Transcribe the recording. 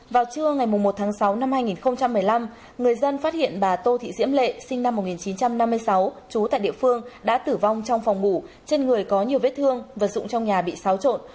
vào trưa ngày một tháng sáu năm hai nghìn một mươi năm người dân phát hiện bà tô thị diễm lệ sinh năm một nghìn chín trăm năm mươi sáu trú tại địa phương đã tử vong trong phòng ngủ trên người có nhiều vết thương vật dụng trong nhà bị xáo trộn